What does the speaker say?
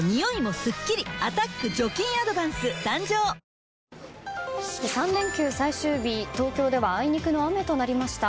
香りに驚くアサヒの「颯」３連休最終日、東京ではあいにくの雨となりました。